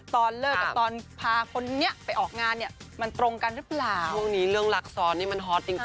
ตอนเลิกกับตอนพาคนนี้ไปออกงานมันตรงกันหรือเปล่า